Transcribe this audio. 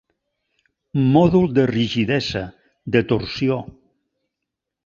Mòdul de rigidesa, de torsió.